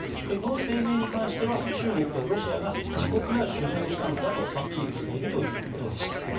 声明に関しては中国とロシアが自国が主導したんだとアピールしているということでした。